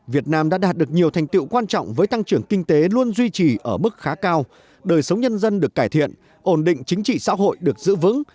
việt nam đã đạt được nhiều thành tiệu quan trọng với tăng trưởng kinh tế luôn duy trì ở mức khá cao đời sống nhân dân được cải thiện ổn định chính trị xã hội được giữ vững